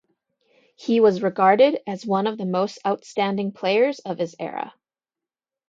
He was regarded as one of the most outstanding players of his era.